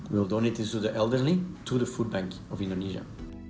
kita akan memberikan ini kepada orang tua kepada food bank indonesia